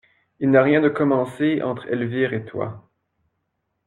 Il n'y a rien de commencé entre Elvire et toi.